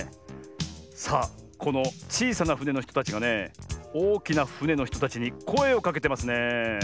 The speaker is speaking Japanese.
さあこのちいさなふねのひとたちがねおおきなふねのひとたちにこえをかけてますね。